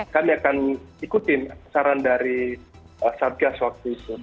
kami akan ikutin saran dari satgas waktu itu